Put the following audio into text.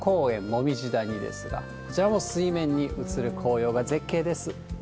もみじ谷ですが、こちらも水面に映る紅葉が絶景です。